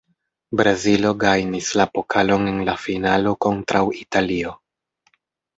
Brazilo gajnis la pokalon en la finalo kontraŭ Italio.